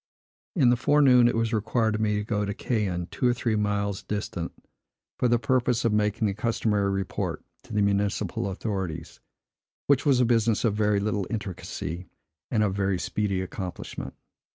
In the forenoon it was required of me to go to Caen (two or three miles distant) for the purpose of making the customary report to the municipal authorities, which was a business of very little intricacy, and of very speedy accomplishment.